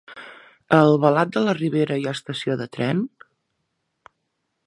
A Albalat de la Ribera hi ha estació de tren?